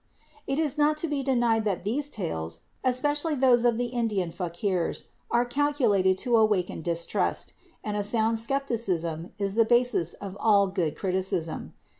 It is not to be denied that these tales, especially those of the Indian fakirs, are calculated to awaken distrust, and a sound skepticism is the basis of all good criticism.